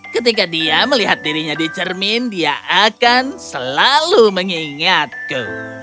ketika dia melihat dirinya dicermin dia akan selalu mengingatku